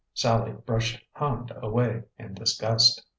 Sallie brushed Hand away in disgust.